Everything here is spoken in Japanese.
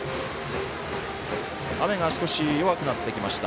雨が少し弱くなってきました。